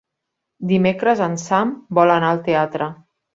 Dimecres en Sam vol anar al teatre.